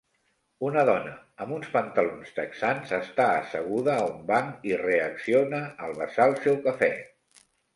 Una dona amb uns pantalons texans està asseguda a un banc i reacciona al vessar el seu cafè.